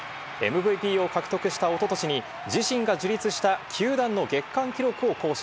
ＭＶＰを獲得したおととしに、自身が樹立した球団の月間記録を更新。